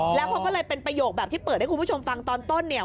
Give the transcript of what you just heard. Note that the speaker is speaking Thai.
แล้วเขาก็เลยเป็นประโยคแบบที่เปิดให้คุณผู้ชมฟังตอนต้นเนี่ย